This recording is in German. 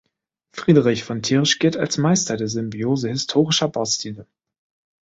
Friedrich von Thiersch gilt als Meister der Symbiose historischer Baustile.